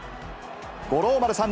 五郎丸さん